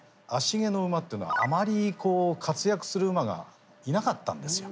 芦毛の馬っていうのはあまりこう活躍する馬がいなかったんですよ。